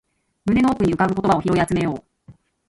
胸の奥に浮かぶ言葉を拾い集めよう